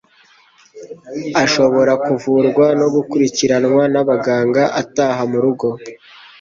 ashobora kuvurwa no gukurikiranwa n'abaganga ataha mu rugo